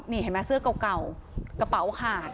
นี่เห็นไหมเสื้อเก่ากระเป๋าขาด